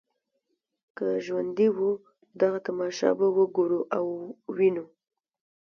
که ژوندي وو دغه تماشه به هم وګورو او وینو.